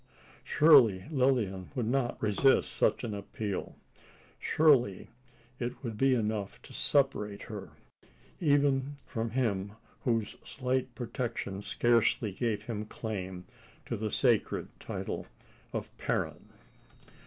Surely Lilian would not resist such an appeal? Surely it would be enough to separate her even from him whose slight protection scarcely gave him claim to the sacred title of parent?